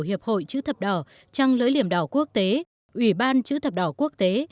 hiệp hội chữ thập đỏ trăng lưỡi liềm đỏ quốc tế ủy ban chữ thập đỏ quốc tế